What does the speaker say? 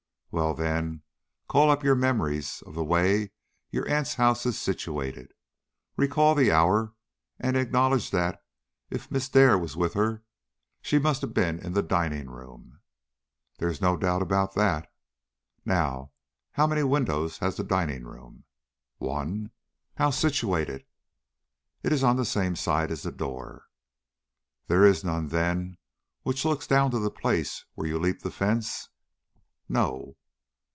"Well, then, call up your memories of the way your aunt's house is situated. Recall the hour, and acknowledge that, if Miss Dare was with her, she must have been in the dining room." "There is no doubt about that." "Now, how many windows has the dining room?" "One." "How situated?" "It is on the same side as the door." "There is none, then, which looks down to that place where you leaped the fence?" "No."